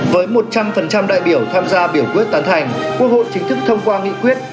với một trăm linh đại biểu tham gia biểu quyết tán thành quốc hội chính thức thông qua nghị quyết